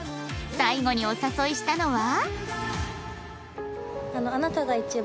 最後にお誘いしたのは